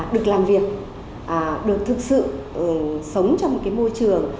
được làm việc được thực sự sống trong một cái môi trường